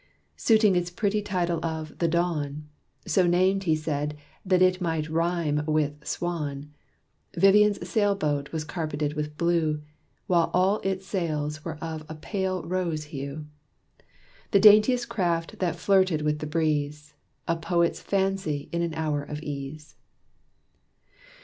Suiting its pretty title of "The Dawn," (So named, he said, that it might rhyme with "Swan,") Vivian's sail boat, was carpeted with blue, While all its sails were of a pale rose hue. The daintiest craft that flirted with the breeze; A poet's fancy in an hour of ease.